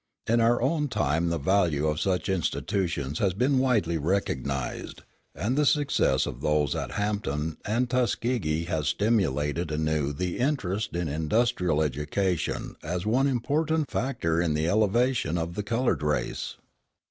In our own time the value of such institutions has been widely recognized, and the success of those at Hampton and Tuskegee has stimulated anew the interest in industrial education as one important factor in the elevation of the colored race.